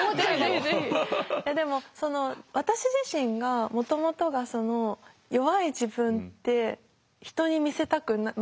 いやでも私自身がもともとがその弱い自分って人に見せたくない